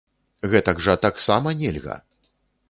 Гэтак жа таксама нельга!